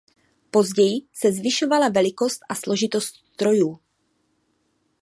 Později se zvyšovala velikost a složitost strojů.